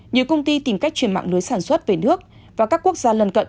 nhiều công ty tìm cách chuyển mạng lưới sản xuất về nước và các quốc gia lần cận